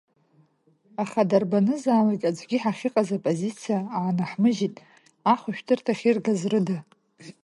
Аха дарбанзаалак аӡәгьы ҳахьыҟаз апозициа аанаҳмыжьит, ахәшәтәырҭахь иргаз рыда.